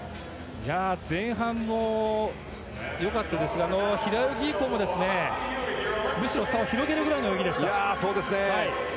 前半も良かったですが平泳ぎ以降もむしろ差を広げるくらいの泳ぎでした。